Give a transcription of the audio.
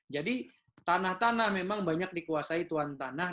jadi tanah tanah memang banyak dikuasai tuan tanah